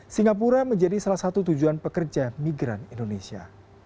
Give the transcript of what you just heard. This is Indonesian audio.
singapura menjadi salah satu tujuan pekerja migran indonesia